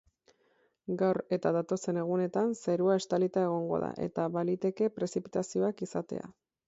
Gaur eta datozen egunetan, zerua estalita egongo da eta baliteke prezipitazioak izatea.